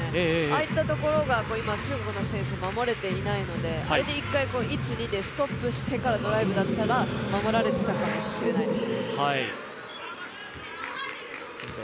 ああいったところが中国の選手、守れていないので、１回、１、２でストップしてからドライブだったら、守られていたかもしれないです。